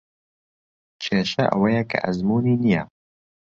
کێشە ئەوەیە کە ئەزموونی نییە.